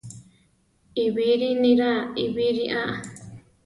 Ibiri niraa ibiri á.